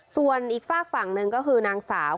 ส่วนอีกฝากฝั่งหนึ่งก็คือนางสาว